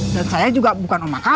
dan saya juga bukan omah kamu